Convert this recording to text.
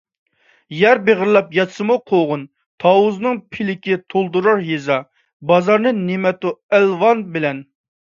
يەر بېغىرلاپ ياتسىمۇ قوغۇن - تاۋۇزنىڭ پىلىكى، تولدۇرار يېزا - بازارنى نىمەتۇ - ئەلۋان بىلەن.